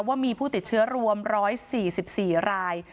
ว่ามีผู้ติดเชื้อรวม๑๔๔ราย